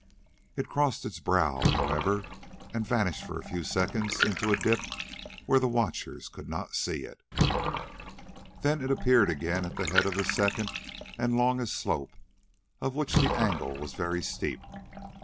It crossed its brow, however, and vanished for a few seconds into a dip where the watchers could not see it, then it appeared again at the head of the second and longest slope, of which the angle was very steep.